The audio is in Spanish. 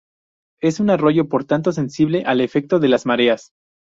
Es un arroyo por tanto sensible al efecto de las mareas.